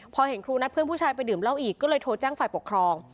พอเห็นครูนัดเพื่อนผู้ชายไปดื่มเหล้าอีกก็เลยโทรแจ้งฝ่ายปกครอง